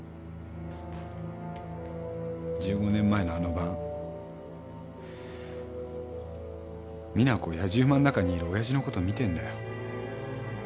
１５年前のあの晩実那子やじ馬の中にいる親父のこと見てんだよ。